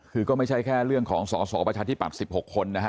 คือก็ไม่ใช่แค่เรื่องของสอสสงขาภักรประชาธิปัตย์๑๖คนนะฮะ